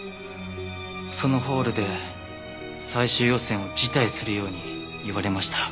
そのホールで最終予選を辞退するように言われました。